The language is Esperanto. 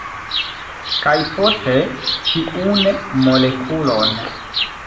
Kaj poste ĉiun molekulon.